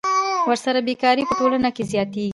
ورسره بېکاري په ټولنه کې زیاتېږي